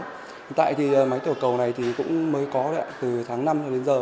hiện tại thì máy tiểu cầu này thì cũng mới có đấy ạ từ tháng năm đến giờ